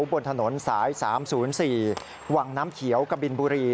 บนถนนสาย๓๐๔วังน้ำเขียวกบินบุรี